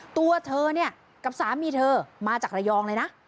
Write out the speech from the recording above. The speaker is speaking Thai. ตัวเธอเนี่ยกับสามีเธอมาจากระยองเลยนะ